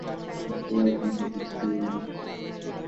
Poster আর banner নির্ধারিত জায়গায় লাগাতে হবে।